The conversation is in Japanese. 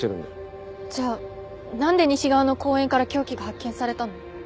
じゃあなんで西側の公園から凶器が発見されたの？